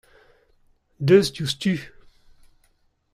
deus diouzhtu.